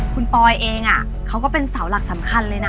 คุณปอยเองเขาก็เป็นเสาหลักสำคัญเลยนะ